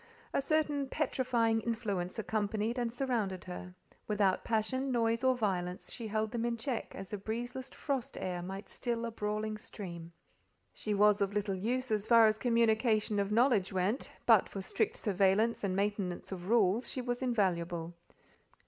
A certain petrifying influence accompanied and surrounded her: without passion, noise, or violence, she held them in check as a breezeless frost air might still a brawling stream. She was of little use as far as communication of knowledge went, but for strict surveillance and maintenance of rules she was invaluable.